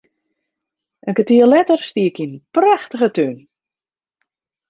In kertier letter stie ik yn in prachtige tún.